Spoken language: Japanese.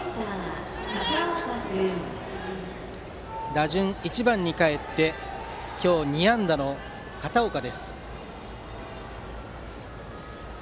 打順は１番にかえって今日２安打の片岡。